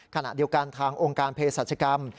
ขณะเดียวกันทางองค์การเพศรัชกรรม